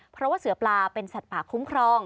เพราะว่าเสือปลาเป็นสัตว์ป่าคุ้มครอง